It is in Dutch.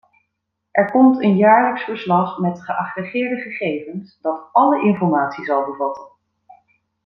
Er komt een jaarlijks verslag met geaggregeerde gegevens, dat alle informatie zal bevatten.